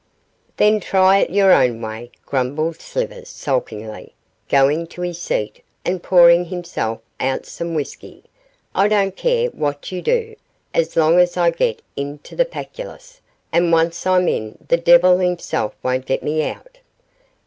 'Then try it your own way,' grumbled Slivers, sulkily, going to his seat and pouring himself out some whisky. 'I don't care what you do, as long as I get into the Pactolus, and once I'm in the devil himself won't get me out.